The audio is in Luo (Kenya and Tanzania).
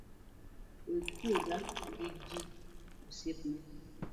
We kuodha gi ji osiepna